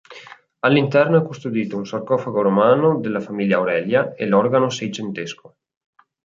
All'interno è custodito un sarcofago romano della famiglia Aurelia e l'organo seicentesco.